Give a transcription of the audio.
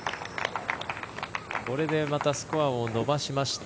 これでまたスコアを伸ばしました。